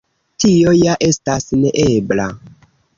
Tio ja estas neebla.